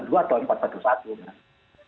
itu mungkin terjadi sedemikian dikisar orang tapi